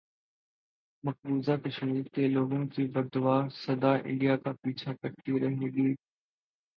مقبوضہ کشمیر کے لوگوں کی بددعا سدا انڈیا کا پیچھا کرتی رہے گی